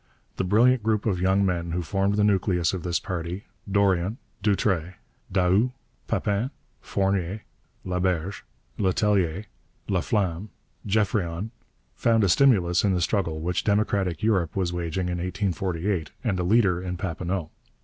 The brilliant group of young men who formed the nucleus of this party, Dorion, Doutre, Daoust, Papin, Fournier, Laberge, Letellier, Laflamme, Geoffrion, found a stimulus in the struggle which democratic Europe was waging in 1848, and a leader in Papineau.